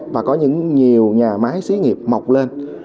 và có những nhiều nhà máy xí nghiệp mọc lên